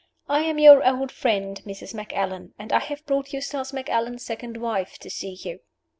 "I am your old friend, Mrs. Macallan; and I have brought Eustace Macallan's second wife to see you."